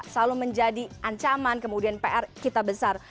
selalu menjadi ancaman kemudian pr kita besar